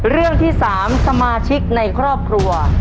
เรื่องที่๓สมาชิกในครอบครัว